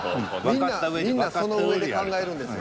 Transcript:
みんなそのうえで考えるんですよ。